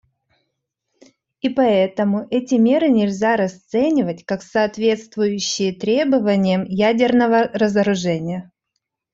И поэтому эти меры нельзя расценивать как соответствующие требованиям ядерного разоружения.